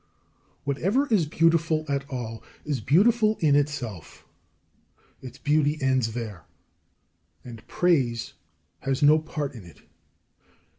20. Whatever is beautiful at all is beautiful in itself. Its beauty ends there, and praise has no part in it.